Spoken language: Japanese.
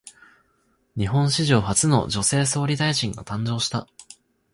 日本史上初の女性総理大臣が誕生した。